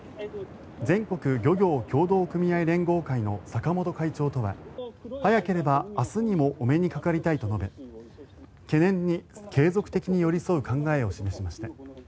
全国漁業協同組合連合会の坂本会長とは早ければ明日にもお目にかかりたいと述べ懸念に継続的に寄り添う考えを示しました。